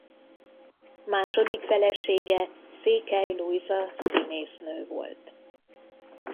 Második felesége Székely Lujza színésznő volt.